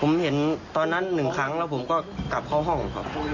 ผมเห็นตอนนั้น๑ครั้งแล้วผมก็กลับเข้าห้องครับ